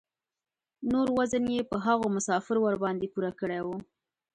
نور وزن یې په هغو مسافرو ورباندې پوره کړی و.